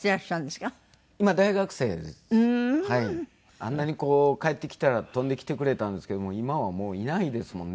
あんなにこう帰ってきたら飛んできてくれたんですけど今はもういないですもんね